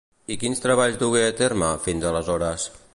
I quins treballs dugué a terme, fins aleshores?